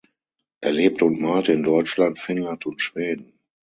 Er lebte und malte in Deutschland, Finnland und Schweden.